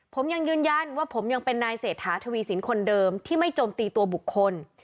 ผมยังยืนยันว่าผมยังเป็นนายเศรษฐาทวีสินคนเดิมที่ไม่โจมตีตัวบุคคล